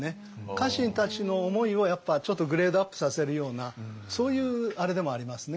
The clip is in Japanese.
家臣たちの思いをやっぱちょっとグレードアップさせるようなそういうあれでもありますね。